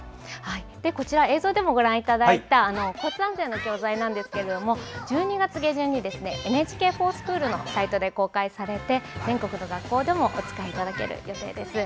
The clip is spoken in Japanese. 映像でもご覧いただいた交通安全の教材は１２月下旬にＮＨＫｆｏｒＳｃｈｏｏｌのサイトで公開されて全国の学校でもお使いいただける予定です。